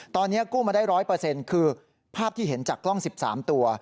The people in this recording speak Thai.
ตอนนี้กู้มาได้๑๐๐คือภาพที่เห็นจากกล้อง๑๓ตัว